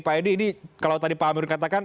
pak edi ini kalau tadi pak amir katakan